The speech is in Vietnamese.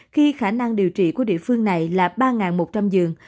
khi khả năng điều trị của địa phương này là ba một trăm linh giường